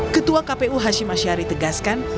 ketua kpu hashim ashari tegaskan